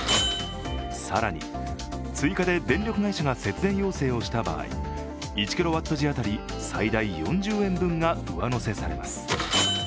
更に追加で電力会社が節電要請をした場合、１ｋＷ時当たり最大４０円分が上乗せされます。